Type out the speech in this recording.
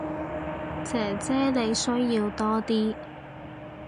姐姐你需要多啲